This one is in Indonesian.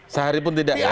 sehari pun tidak ya